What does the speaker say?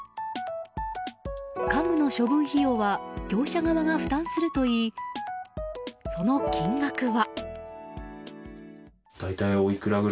家具の処分費用は業者側が負担するといいその金額は。